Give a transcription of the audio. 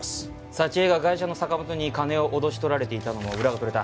佐知恵がガイシャの坂本に金を脅し取られていたのも裏が取れた。